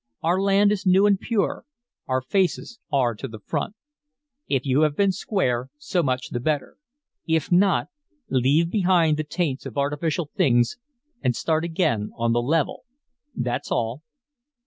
Our land is new and pure, our faces are to the front. If you have been square, so much the better; if not, leave behind the taints of artificial things and start again on the level that's all."